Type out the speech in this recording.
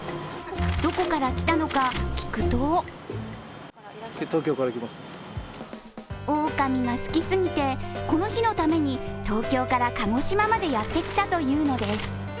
どこから来たのか、聞くとオオカミが好きすぎてこの日のために東京から鹿児島までやってきたというのです。